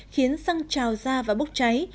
khiến xăng trào ra và bốc cháy